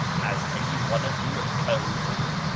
Has any one of you a comb ?